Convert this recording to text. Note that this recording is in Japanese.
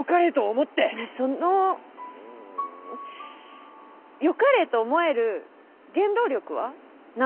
良かれと思える原動力は何なの？